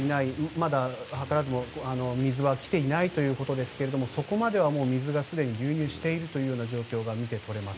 まだ水はきていないということですがそこまでは水がすでに流入している状況が見て取れます。